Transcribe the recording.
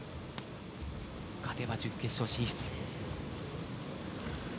勝てば準決勝進出。